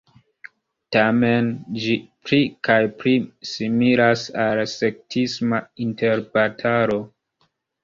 Tamen ĝi pli kaj pli similas al sektisma interbatalo.